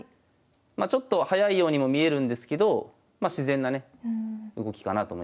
ちょっと早いようにも見えるんですけどま自然なね動きかなと思います。